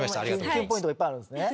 きゅんポイントがいっぱいあるんですね。